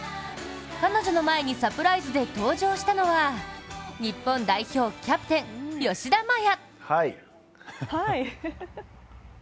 彼女の前にサプライズで登場したのは日本代表キャプテン、吉田麻也。